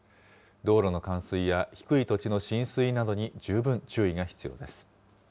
道路の冠水や低い土地の浸水などに十分注意が必要です。